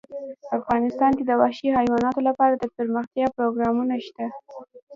افغانستان کې د وحشي حیواناتو لپاره دپرمختیا پروګرامونه شته.